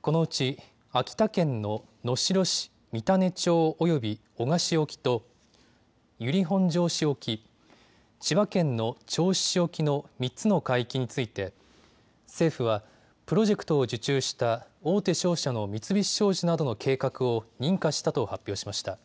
このうち秋田県の能代市、三種町及び男鹿市沖と由利本荘市沖、千葉県の銚子市沖の３つの海域について政府はプロジェクトを受注した大手商社の三菱商事などの計画を認可したと発表しました。